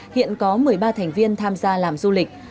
hiện có một mươi ba thành viên tham gia làm du lịch